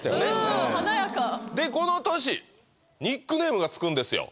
うん華やかでこの年ニックネームが付くんですよ